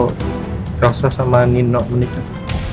nisa sama nino menikah